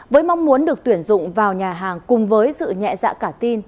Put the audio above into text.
với mong muốn được tuyển dụng vào nhà hàng cùng với sự nhẹ dạ cả tin